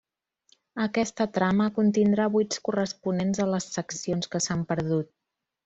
Aquesta trama contindrà buits corresponents a les seccions que s'han perdut.